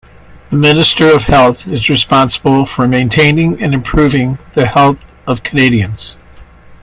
The Minister of Health is responsible for maintaining and improving the health of Canadians.